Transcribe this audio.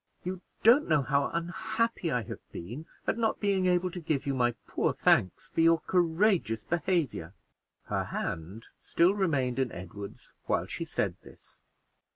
You don't know how unhappy I have been at not being able to give you my poor thanks for your courageous behavior." Her hand still remained in Edward's while she said this.